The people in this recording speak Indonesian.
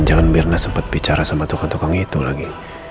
jangan mirna sempat bicara sama tukang tukang itu lagi